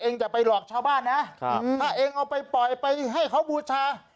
จะไปหลอกชาวบ้านนะครับถ้าเองเอาไปปล่อยไปให้เขาบูชา